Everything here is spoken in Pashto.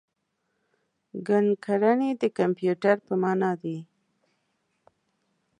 ګڼکړنی د کمپیوټر په مانا دی.